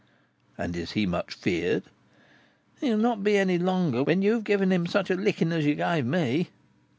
"And is he much feared?" "He will not be any longer, when you have given him such a licking as you gave me.